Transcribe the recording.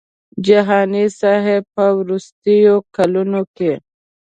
جهاني صاحب په وروستیو کلونو کې.